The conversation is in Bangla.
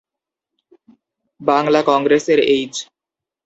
বাংলা কংগ্রেস এর এইচ।